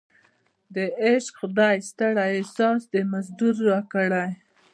د عشق خدای ستړی احساس د مزدور راکړی